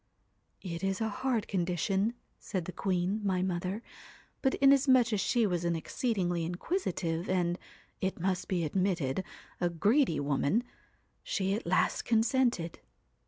'"It is a hard condition," said the queen, my mother, but inasmuch as she was an exceedingly inquisitive and it must be admitted a greedy woman, she at last consented.